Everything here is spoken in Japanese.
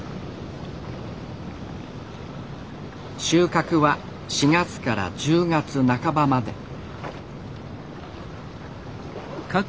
収穫は４月から１０月半ばまで。